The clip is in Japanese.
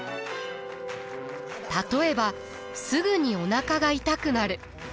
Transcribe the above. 例えばすぐにおなかが痛くなる。